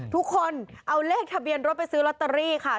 ทุกคนเอาเลขทะเบียนรถไปซื้อลอตเตอรี่ค่ะ